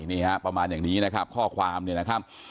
นี่ฮะประมาณอย่างนี้นะครับข้อความเนี่ยนะครับ